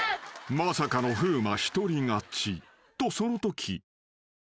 ［まさかの風磨一人勝ち。と］